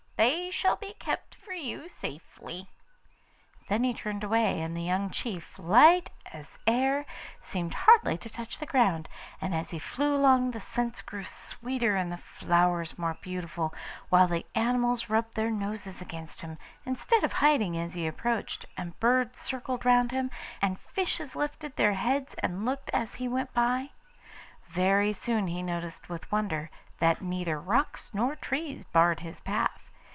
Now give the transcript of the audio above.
They shall be kept for you safely.' Then he turned away, and the young chief, light as air, seemed hardly to touch the ground; and as he flew along the scents grew sweeter and the flowers more beautiful, while the animals rubbed their noses against him, instead of hiding as he approached, and birds circled round him, and fishes lifted up their heads and looked as he went by. Very soon he noticed with wonder, that neither rocks nor trees barred his path.